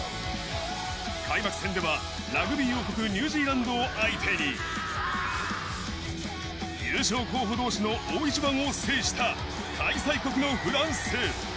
開幕戦ではラグビー王国ニュージーランドを相手に優勝候補同士の大一番を制した開催国のフランス。